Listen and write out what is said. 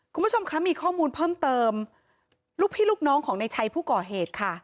คุณผู้ชมคะมีข้อมูลเพิ่มเติมลูกพี่ลูกน้องของในชัยผู้ก่อเหตุค่ะ